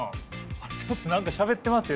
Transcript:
あっちょっと何かしゃべってますよ。